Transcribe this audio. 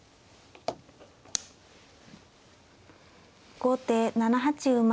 後手７八馬。